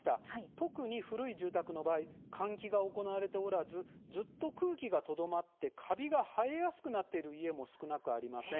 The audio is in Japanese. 特に古い住宅の場合換気が行われておらずずっと空気がとどまってカビが生えやすくなっている家も少なくありません。